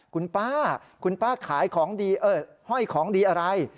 คุณป้าคุณป้าขายของดีเอ้ยห้อยของดีอะไร